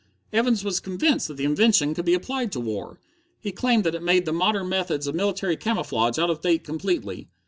"Evans was convinced that the invention would be applied to war. He claimed that it made the modern methods of military camouflage out of date completely.